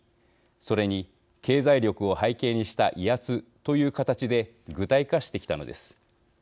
それに経済力を背景にした威圧という形で具体化してきたのです。